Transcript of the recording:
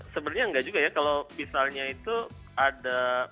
sebenarnya enggak juga ya kalau misalnya itu ada